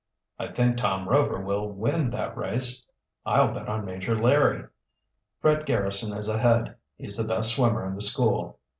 "I think Tom Rover will win that race." "I'll bet on Major Larry." "Fred Garrison is ahead. He's the best swimmer in the school."